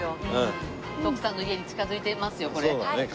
徳さんの家に近づいてますよこれ。